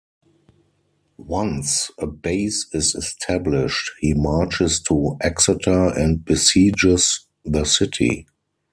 Once a base is established, he marches to Exeter and besieges the city.